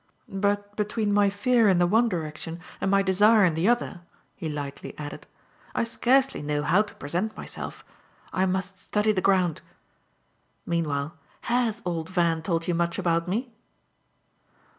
But between my fear in the one direction and my desire in the other," he lightly added, "I scarcely know how to present myself. I must study the ground. Meanwhile HAS old Van told you much about me?"